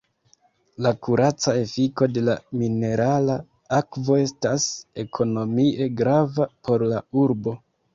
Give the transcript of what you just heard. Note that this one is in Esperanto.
La kuraca efiko de la minerala akvo estas ekonomie grava por la urbo.